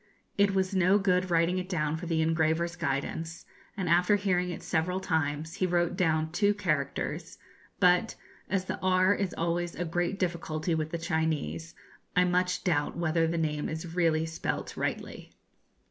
It was no good writing it down for the engraver's guidance, and after hearing it several times he wrote down two characters; but, as the 'r' is always a great difficulty with the Chinese, I much doubt whether the name is really spelt rightly.